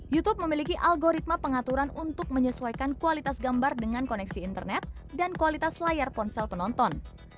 youtube memiliki algoritma pengaturan untuk menyesuaikan kualitas gambar dengan koneksi internet dan kualitas layar ponsel penonton